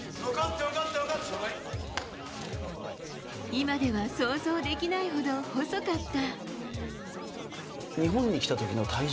今では想像できないほど細かった。